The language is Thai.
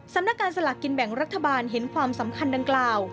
สำนักงานสลากกินแบ่งรัฐบาลเห็นความสำคัญดังกล่าว